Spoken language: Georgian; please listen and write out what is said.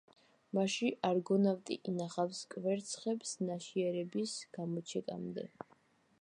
მასში არგონავტი ინახავს კვერცხებს ნაშიერების გამოჩეკამდე.